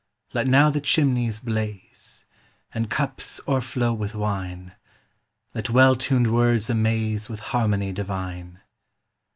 Let now the chimneys blaze, And cups o'erflow with wine; Let well tuned words amaze With harmony divine.